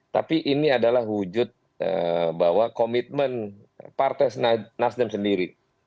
tapi ini adalah wujud bahwa komitmen partai nasdem sendiri